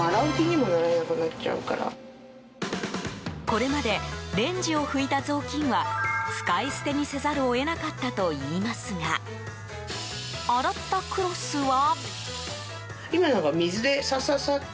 これまでレンジを拭いた雑巾は使い捨てにせざるを得なかったといいますが洗ったクロスは。